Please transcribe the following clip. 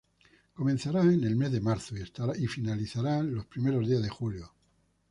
Comenzará en el mes de marzo y estará finalizado los primeros días de julio.